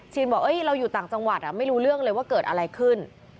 บอกเราอยู่ต่างจังหวัดไม่รู้เรื่องเลยว่าเกิดอะไรขึ้น